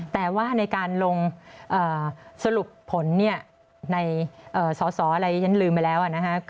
แต่ว่าในการลงสรุปผลในสอบประจำของไฟรัฐว่าอะไรรู้ไหมฉันลืมไปแล้ว